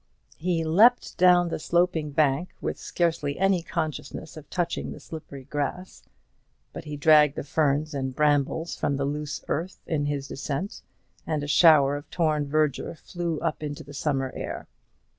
He leapt down the sloping bank with scarcely any consciousness of touching the slippery grass; but he dragged the ferns and brambles from the loose earth in his descent, and a shower of torn verdure flew up into the summer air.